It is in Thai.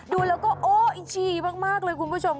ดูแล้วก็โอ้อินชีมากเลยคุณผู้ชม